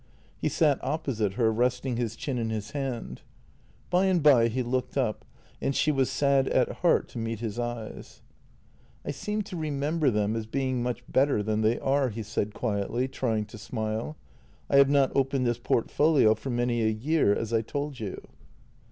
He sat opposite her, resting his chin in his hand. By and by he looked up, and she was sad at heart to meet his eyes. " I seem to remember them as being much better than they are," he said quietly, trying to smile. " I have not opened this portfolio for many a year, as I told you."